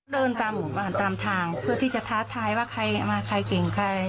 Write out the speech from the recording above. เดินตามหมู่บ้านตามทางเพื่อที่จะท้าทายว่าใครเอามาใครเก่งใคร